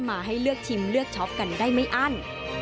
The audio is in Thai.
มาให้เลือกชิมเลือกช็อปกันได้ไม่อั้น